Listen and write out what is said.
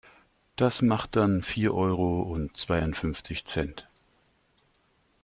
Das macht dann vier Euro und zweiundfünfzig Cent.